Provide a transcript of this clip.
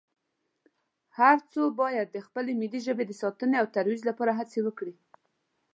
هر څو باید د خپلې ملي ژبې د ساتنې او ترویج لپاره هڅې وکړي